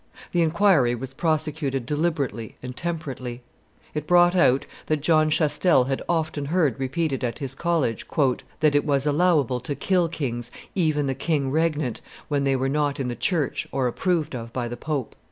The inquiry was prosecuted deliberately and temperately. It brought out that John Chastel had often heard repeated at his college "that it was allowable to kill kings, even the king regnant, when they were not in the church or approved of by the pope."